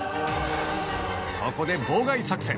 ここで妨害作戦。